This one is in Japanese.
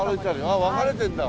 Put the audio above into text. ああ分かれてるんだ。